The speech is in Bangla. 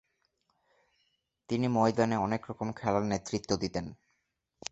তিনি ময়দানে অনেকরকম খেলার নেতৃত্ব দিতেন।